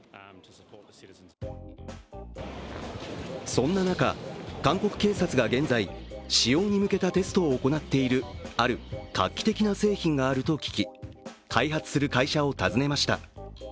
そんな中、韓国警察が現在使用に向けたテストを行っているある画期的な製品があると聞き、開発する会社を訪ねました。